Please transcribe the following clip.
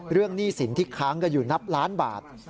เรื่องหนี้สินที่ค้างก็อยู่นับล้านบาท